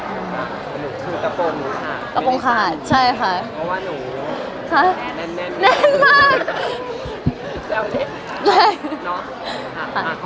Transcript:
หนูกระโปรงหนูจัก